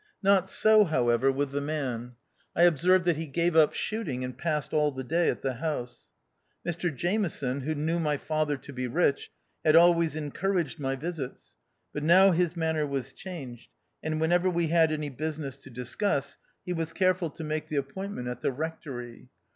Not so, however, with the man. I observed that he gave up shooting and passed all the day at the house. Mr Jameson, who knew my father to be rich, had always en couraged my visits, but now his manner was changed, and whenever we had any business to discuss, he was careful to make the ap THE OUTCAST. tfj pointment at the Kectory.